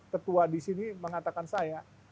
ketua di sini mengatakan saya